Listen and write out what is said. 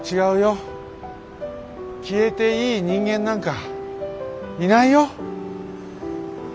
消えていい人間なんかいないよ。